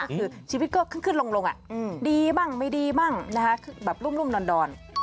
ก็คือชีวิตก็ขึ้นขึ้นลงดีบ้างไม่ดีบ้างแบบรุ่มดอน